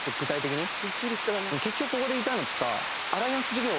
結局ここで言いたいのってさ。